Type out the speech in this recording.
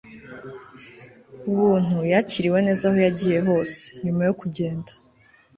ubuntu, yakiriwe neza aho yagiye hose. nyuma yo kugenda